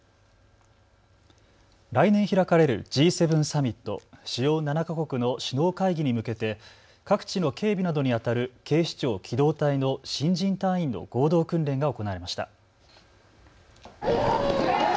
来年開かれるＧ７サミット・主要７か国の首脳会議に向けて各地の警備などにあたる警視庁機動隊の新人隊員の合同訓練が行われました。